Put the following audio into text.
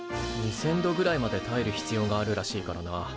２，０００度ぐらいまでたえる必要があるらしいからな。